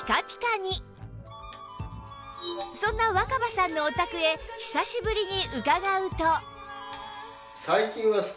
そんな若葉さんのお宅へ久しぶりに伺うと